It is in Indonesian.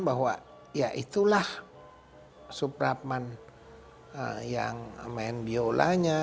bahwa ya itulah supratman yang main biolanya